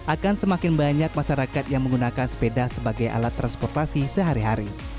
akan semakin banyak masyarakat yang menggunakan sepeda sebagai alat transportasi sehari hari